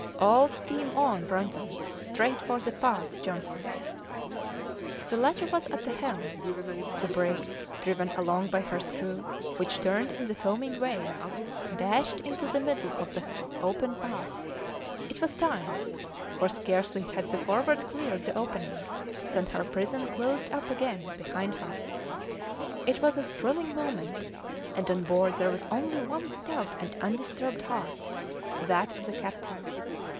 "All steam on, Brunton! Straight for the pass, Johnson!" The latter was at the helm; the brig, driven along by her screw, which turned in the foaming waves, dashed into the middle of the then opened pass; it was time, for scarcely had the Forward cleared the opening than her prison closed up again behind her. It was a thrilling moment, and on board there was only one stout and undisturbed heart that of the captain.